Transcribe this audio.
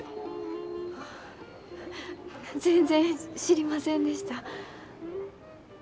あ全然知りませんでした。